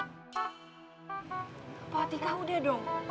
pak atika udah dong